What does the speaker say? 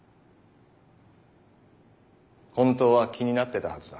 本当は気になってたはずだ。